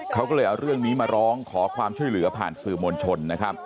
เขาก็เลยเอาเรื่องนี้มาร้องขอความช่วยเหลือผ่านสื่อมวลชนนะครับ